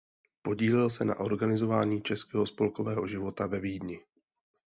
Podílel se na organizování českého spolkového života ve Vídni.